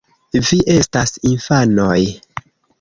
Vi estas infanoj.